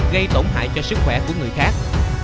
gây tổn hại cho sức khỏe của người khác